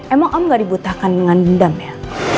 emang om gak dibutahkan dengan dendam ya